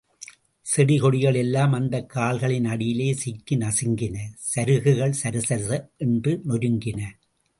செடி கொடிகள் எல்லாம் அந்தக் கால்களின் அடியிலே சிக்கி நசுங்கின சருகுகள் சரசர என்று நொறுங்கின.